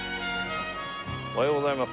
おはようございます。